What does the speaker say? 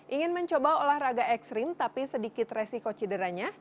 ingin mencoba olahraga ekstrim tapi sedikit resiko cederanya